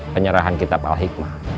penyerahan kitab al ikhmah